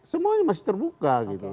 semuanya masih terbuka gitu